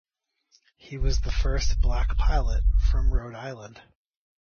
He was the first black pilot from Rhode Island.